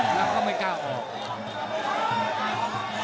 แล้วก็ไม่กล้าบอก